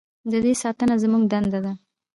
د دې ساتنه زموږ دنده ده؟